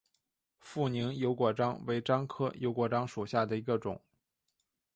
富宁油果樟为樟科油果樟属下的一个种。